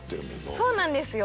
そうなんですよ。